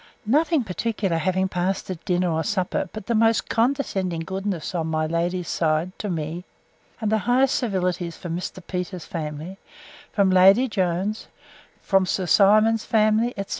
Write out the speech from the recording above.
Nothing particular having passed at dinner or supper, but the most condescending goodness, on my lady's side, to me; and the highest civilities from Mr. Peters's family, from Lady Jones, from Sir Simon's family, etc.